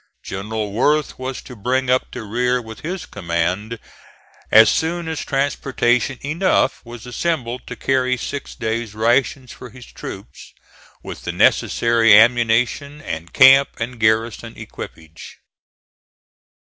General Worth was to bring up the rear with his command as soon as transportation enough was assembled to carry six days' rations for his troops with the necessary ammunition and camp and garrison equipage.